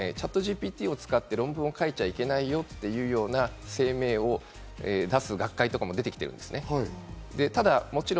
ＣｈａｔＧＰＴを使って論文を書いちゃいけないよっていう声明を出す学会とかも出てきてるんですね。